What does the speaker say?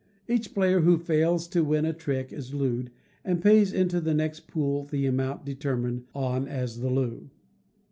Each player who fails to win a trick is looed, and pays into the next pool the amount determined on as the loo.